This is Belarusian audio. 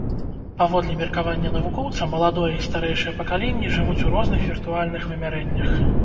Паводле меркавання навукоўца, маладое і старэйшае пакаленні жывуць у розных віртуальных вымярэннях.